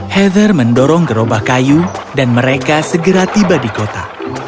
heather mendorong gerobak kayu dan mereka segera tiba di kota